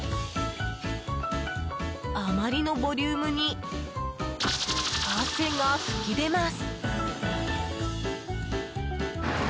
あまりのボリュームに汗が噴き出ます！